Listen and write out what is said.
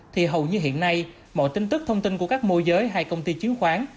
thì hầu như hiện nay mọi tin tức thông tin của các mua giới hay công ty chiến khoán